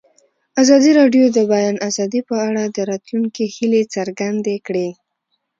ازادي راډیو د د بیان آزادي په اړه د راتلونکي هیلې څرګندې کړې.